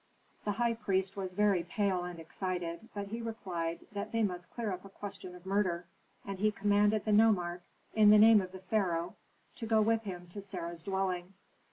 The high priest was very pale and excited; but he replied that they must clear up a question of murder, and he commanded the nomarch in the name of the pharaoh to go with him to Sarah's dwelling.